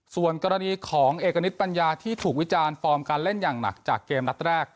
ส่วนกรณีของเอกณิตปัญญาที่ถูกวิจารณ์ฟอร์มการเล่นอย่างหนักจากเกมนัดแรก